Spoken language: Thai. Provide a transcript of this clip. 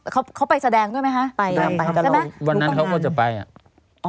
เขาเขาไปแสดงด้วยไหมคะไปกันใช่ไหมวันนั้นเขาก็จะไปอ่ะอ๋อ